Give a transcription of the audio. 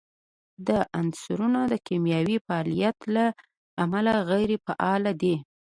دا عنصرونه د کیمیاوي فعالیت له امله غیر فعال دي.